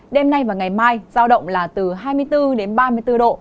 đêm nay và ngày mai giao động là từ hai mươi bốn đến ba mươi bốn độ